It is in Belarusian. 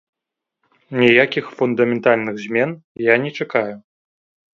Ніякіх фундаментальных змен я не чакаю.